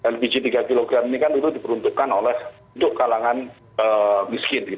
lpg tiga kg ini kan itu diperuntukkan untuk kalangan miskin